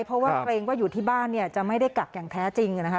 เพราะว่าเกรงว่าอยู่ที่บ้านเนี่ยจะไม่ได้กักอย่างแท้จริงนะคะ